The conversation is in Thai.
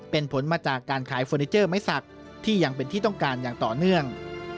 เป็นผลมาจากการขายเฟอร์นิเจอร์ไม้สักที่ยังเป็นที่ต้องการอย่างต่อเนื่อง